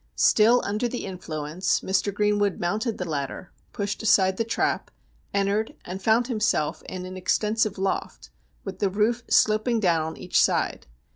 Still under the influence, Mr. Greenwood mounted the ladder, pushed aside the trap, entered, and found himself in an ex tensive loft, with the roof sloping down on each side.